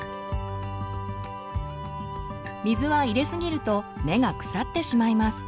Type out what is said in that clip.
水は入れすぎると根が腐ってしまいます。